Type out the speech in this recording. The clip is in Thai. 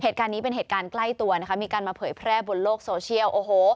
เหตุการณ์นี้เป็นเหตุการณ์ใกล้ตัวนะคะมีการมาเผยแพร่บนโลกโซเชียลโอ้โห